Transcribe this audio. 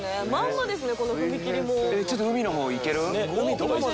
ちょっと海の方行ける？